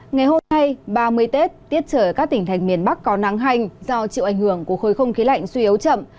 ngày hôm nay ba mươi tết tiết trời các tỉnh thành miền bắc có nắng hành do chịu ảnh hưởng của khối không khí lạnh suy yếu chậm